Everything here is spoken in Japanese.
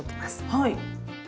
はい。